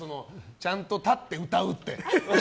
ちゃんと立って歌うって。